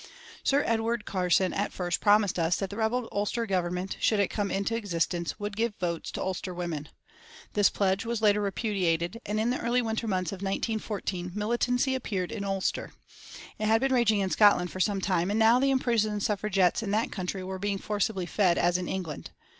Sir Edward Carson at first promised us that the rebel Ulster Government, should it come into existence, would give votes to Ulster women. This pledge was later repudiated, and in the early winter months of 1914 militancy appeared in Ulster. It had been raging in Scotland for some time, and now the imprisoned Suffragettes in that country were being forcibly fed as in England.